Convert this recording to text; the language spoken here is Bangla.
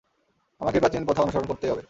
আমাকে প্রাচীন প্রথা অনুসরণ করতেই হবে।